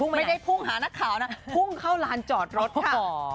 ไม่ได้พุ่งหานักข่าวนะพุ่งเข้าลานจอดรถค่ะ